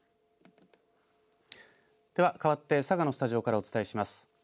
ではかわって佐賀のスタジオからお伝えします。